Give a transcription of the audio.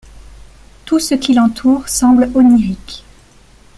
Tout ce qui l'entoure semble onirique.